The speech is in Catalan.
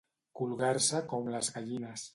Colgar-se com les gallines.